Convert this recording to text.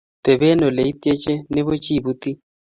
Taben oleityeche, ne buch ibuti.